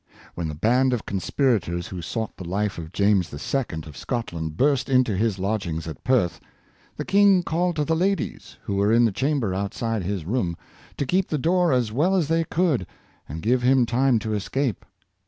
When the band of conspirators who sought the life of James II., of Scotland, burst into his lodgings at Perth, the king called to the ladies, who were in the chamber outside his room, to keep the door as well as they could, and give him time to escape.